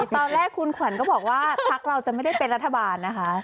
ตอนแรกคุณขวัญก็บอกว่าพักเราจะไม่ได้เป็นรัฐบาลนะคะ